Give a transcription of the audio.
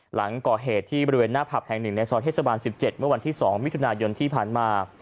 หลังก่อเหตุที่บริเวณหน้าผับแห่งหนึ่งในซอยเทศบาล๑๗เมื่อวันที่๒มิถุนายนที่ผ่านมา